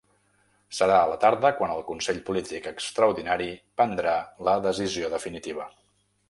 Serà a la tarda quan el consell polític extraordinari prendrà la decisió definitiva.